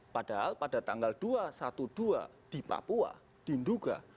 padahal pada tanggal dua dua belas di papua di nduga